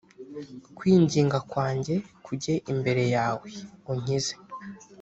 kwinginga kwanjye kujye imbere yawe , unkize.